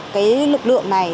cái lực lượng này